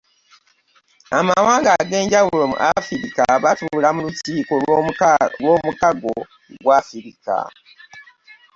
Amawanga ag'enjawulo mu Afrika baatuula mu lukiiko lw'omukago gwa Afrika